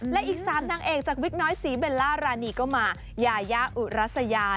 และอีก๓นางเอกจากวิกน้อยสีเบลล่ารานีก็มายายาอุรัสยา